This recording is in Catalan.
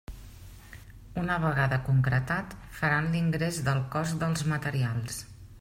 Una vegada concretat, faran l'ingrés del cost dels materials.